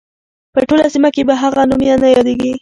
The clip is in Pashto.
په ټوله سیمه کې په هغه نوم نه یادیږي.